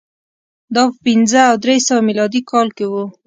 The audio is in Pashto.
دا په پنځه او درې سوه میلادي کال کې و